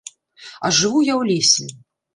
А жыву я ў лесе.